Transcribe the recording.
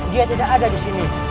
dia tidak ada disini